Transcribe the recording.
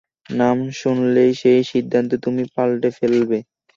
নাম শুনলেই সেই সিদ্ধান্ত তুমি পাল্টে ফেলবে।